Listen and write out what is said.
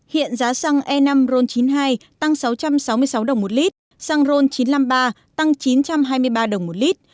hiện giá xăng e năm ron chín mươi hai tăng sáu trăm sáu mươi sáu đồng một lít xăng ron chín trăm năm mươi ba tăng chín trăm hai mươi ba đồng một lít